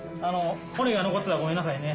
骨が残ってたらごめんなさいね。